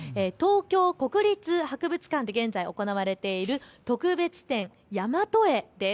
東京国立博物館で現在、行われている特別展やまと絵です。